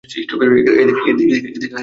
এদিকে আয়, শালী।